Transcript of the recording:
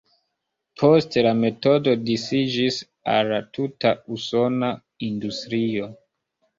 Poste, la metodo disiĝis al tuta usona industrio.